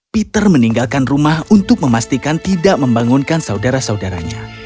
peter meninggalkan rumah untuk memastikan tidak membangunkan saudara saudaranya